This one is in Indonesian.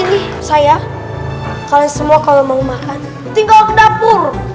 lebih pensar ya kalian semua kalau mau makan tinggal ke dapur